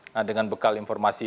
nah dengan bekal informasi